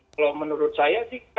kalau menurut saya sih